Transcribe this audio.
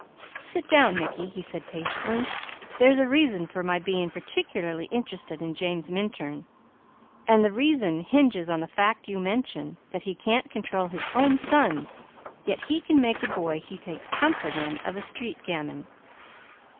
"Sit down Mickey," he said patiently. "There's a reason for my being particularly interested in James Minturn, and the reason hinges on the fact you mention: that he can't control his own sons, yet can make a boy he takes comfort in, of a street gamin."